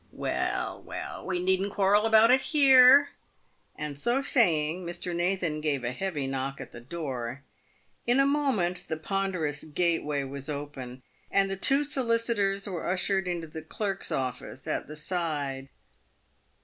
" Well, well, we needn't quarrel about it here." And so saying, Mr. Nathan gave a heavy knock at the door. In a moment the ponderous gateway was open, and the two soli citors were ushered into the clerk's office at the side.